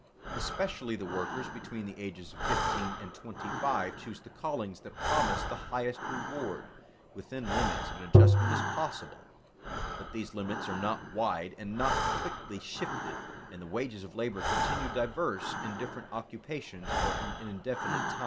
Especially the workers between the ages of fifteen and twenty five choose the callings that promise the highest reward. Within limits an adjustment is possible, but these limits are not wide and not quickly shifted, and the wages of labor continue diverse in different occupations for an indefinite time.